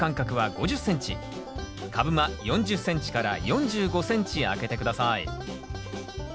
株間４０ｃｍ４５ｃｍ空けて下さい。